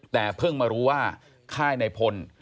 แต่เพิ่งมารู้ว่าค่ายในพล